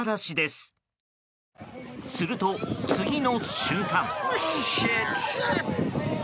すると、次の瞬間。